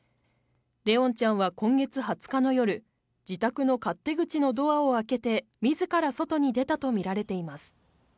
怜音ちゃんは今月２０日の夜自宅の勝手口のドアを開けて自ら外に出たと見られています